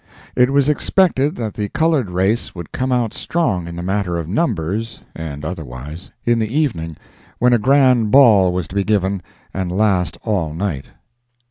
It was expected that the colored race would come out strong in the matter of numbers (and otherwise) in the evening, when a grand ball was to be given and last all night.